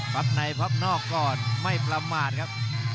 ในพับนอกก่อนไม่ประมาทครับ